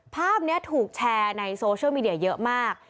ภาพนี้ถูกแชร์ในโซเชียลมีเดียเยอะมาก